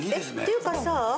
っていうかさ